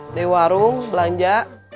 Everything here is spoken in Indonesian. di warung belanja